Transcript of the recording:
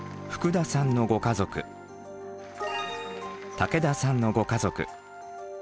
竹田さんのご家族。